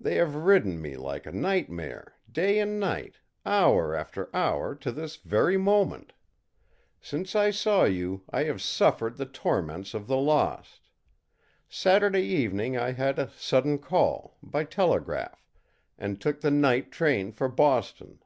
They have ridden me like a nightmare, day and night, hour after hour, to this very moment. Since I saw you I have suffered the torments of the lost. Saturday evening I had a sudden call, by telegraph, and took the night train for Boston.